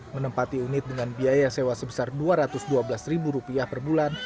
menempati unit dengan biaya sewa sebesar dua ratus dua belas per bulan